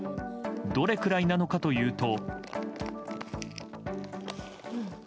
どれくらいなのかというと。